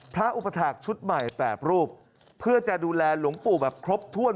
อุปถาคชุดใหม่๘รูปเพื่อจะดูแลหลวงปู่แบบครบถ้วน